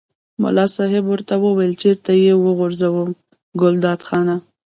ملا صاحب ورته وویل چېرته یې وغورځوم ګلداد خانه.